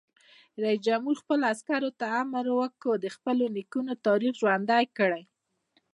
رئیس جمهور خپلو عسکرو ته امر وکړ؛ د خپلو نیکونو تاریخ ژوندی کړئ!